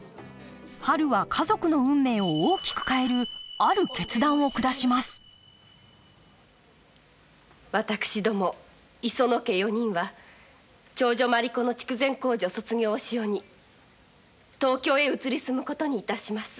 はるは家族の運命を大きく変えるある決断を下します私ども磯野家４人は長女マリ子の筑前高女卒業を潮に東京へ移り住むことにいたします。